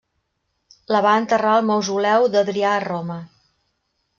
La va enterrar al Mausoleu d'Adrià a Roma.